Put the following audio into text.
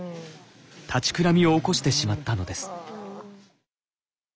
立ちくらみを起こしてしまったのです。